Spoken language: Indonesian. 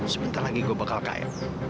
sebentar lagi gua bakal kaya